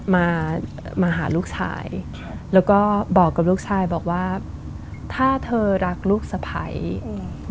มามาหาลูกชายครับแล้วก็บอกกับลูกชายบอกว่าถ้าเธอรักลูกสะพ้ายอืม